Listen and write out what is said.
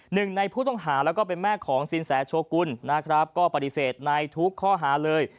หนึ่งในผู้ต้องหาแล้วก็เป็นแม่ของสินแสโชกุลนะครับก็ปฏิเสธในทุกข้อหาเลย